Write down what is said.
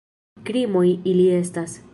Krimoj ili estas!